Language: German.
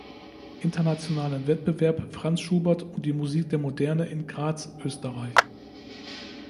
Internationalen Wettbewerb „Franz Schubert und die Musik der Moderne“ in Graz, Österreich.